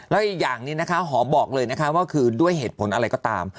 แล้วอีกอย่างนี้นะคะหอมบอกเลยนะคะว่าคือด้วยเหตุผลอะไรก็ตาม